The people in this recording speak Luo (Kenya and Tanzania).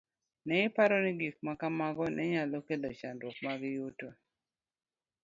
Ne iparo ni gik ma kamago ne nyalo kelo chandruok mag yuto.